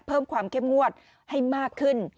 เพิ่มความเข้มงวดให้มากขึ้น